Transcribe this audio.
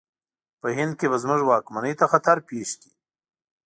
په هند کې به زموږ واکمنۍ ته خطر پېښ کړي.